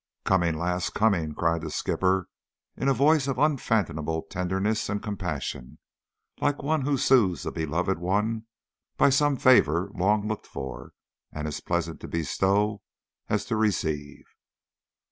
"Coming, lass, coming," cried the skipper, in a voice of unfathomable tenderness and compassion, like one who soothes a beloved one by some favour long looked for, and as pleasant to bestow as to receive.